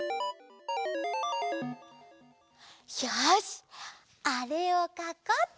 よしあれをかこうっと！